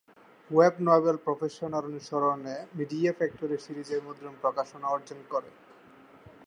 Web novel প্রকাশনার অনুসরণে, media factory সিরিজের মুদ্রণ প্রকাশনা অর্জন করে।